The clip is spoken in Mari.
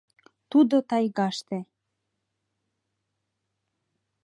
Тудо тайгаште.